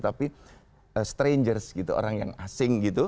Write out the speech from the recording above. tapi strangers gitu orang yang asing gitu